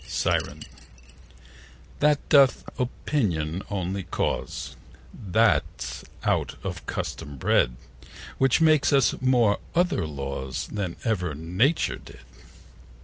Siren.That doth Opinion only cause That 's out of Custom bred, 50 Which makes us many other laws Than ever Nature did.